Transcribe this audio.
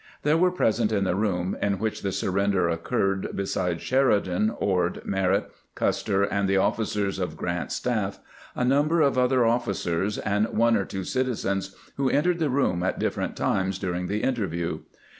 There were present in the room in which the surrender occurred, besides Sheridan, Ord, Merritt, Custer, and the officers of Grant's staff, a number of other officers and one or two citizens, who entered the room at differ ent times during the interview.